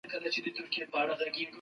د علم او اخلاقو ګډه لار يې خپله کړې وه.